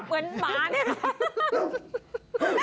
เหมือนหมานิ้ว